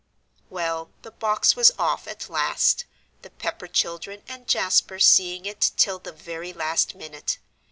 Well, the box was off, at last, the Pepper children and Jasper seeing it till the very last minute.